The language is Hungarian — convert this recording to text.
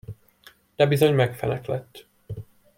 De bizony megfeneklett.